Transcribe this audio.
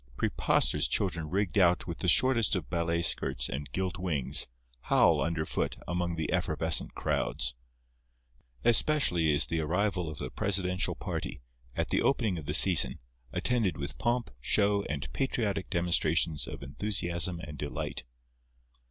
Preposterous children rigged out with the shortest of ballet skirts and gilt wings, howl, underfoot, among the effervescent crowds. Especially is the arrival of the presidential party, at the opening of the season, attended with pomp, show and patriotic demonstrations of enthusiasm and delight.